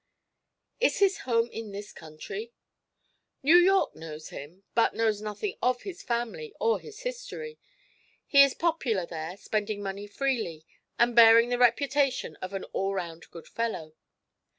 "Is his home in this country?" "New York knows him, but knows nothing of his family or his history. He is popular there, spending money freely and bearing the reputation of an all around good fellow.